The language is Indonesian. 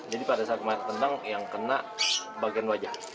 jadi pada saat melakukan tendang yang kena bagian wajah